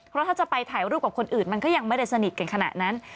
เพราะถ้าจะไปถ่ายรูปกับคนอื่นมันก็ยังไม่ได้สนิทกันขนาดนั้น